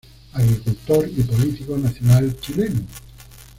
Agricultor y político nacional chileno.